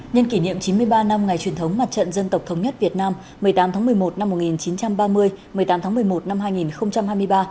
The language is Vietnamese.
nhân kỷ niệm chín mươi ba năm ngày truyền thống mặt trận dân tộc thống nhất việt nam một mươi tám tháng một mươi một năm một nghìn chín trăm ba mươi một mươi tám tháng một mươi một năm hai nghìn hai mươi ba